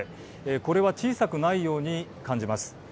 これは小さくないように感じます。